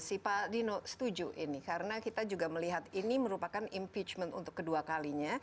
si pak dino setuju ini karena kita juga melihat ini merupakan impeachment untuk kedua kalinya